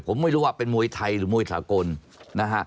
ผมไม่รู้ว่าเป็นมวยไทยหรือมวยสากลนะฮะ